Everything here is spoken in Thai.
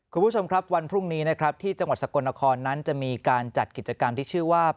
คุณผู้ชมครับวันพรุ่งนี้นะครับที่จังหวัดสกลนครนั้นจะมีการจัดกิจกรรมที่ชื่อว่า